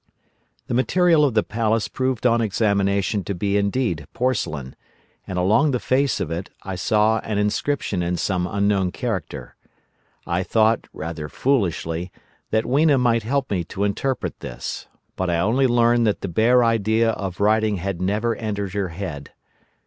"The material of the Palace proved on examination to be indeed porcelain, and along the face of it I saw an inscription in some unknown character. I thought, rather foolishly, that Weena might help me to interpret this, but I only learnt that the bare idea of writing had never entered her head.